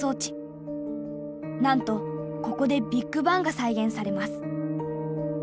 なんとここでビッグバンが再現されます。